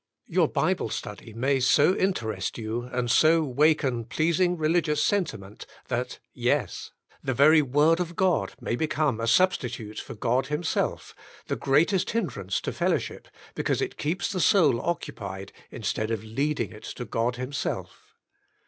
Your Bible Study may so interest you, and so waken pleasing religious sen timent, that — yes — the very Word of God may become a substitute for God Himself, the Great est Hindrance to Fellowship Because it Keeps the Soul Occupied Instead of Leading IT TO God Himself.